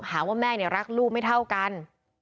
หาว่าแม่รักลูกไม่เท่ากัน